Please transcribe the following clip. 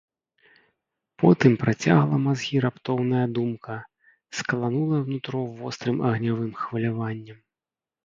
Потым працяла мазгі раптоўная думка, скаланула нутро вострым агнявым хваляваннем.